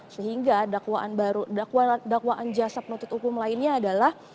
sehingga dakwaan jasa penuntut umum lainnya adalah